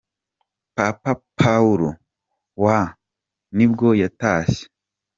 Papa Paul wa ni bwo yatashye.